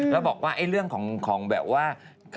แล้วบอกว่าเรื่องของแบบว่า